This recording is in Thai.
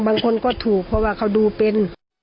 บางคนก็ถูกเพราะว่าเขาดูเป็น